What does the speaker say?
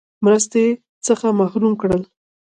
مرستې څخه محروم کړل.